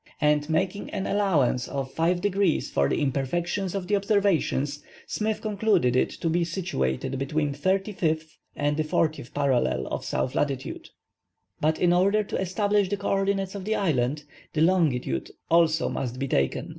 And making an allowance of 5° for the imperfections of the observations, Smith, concluded it to be situated between the 35th and the 40th parallel of south latitude. But, in order to establish the co ordinates of the island, the longitude also must be taken.